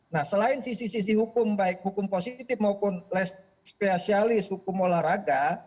nah selain sisi sisi hukum baik hukum positif maupun lespesialis hukum olahraga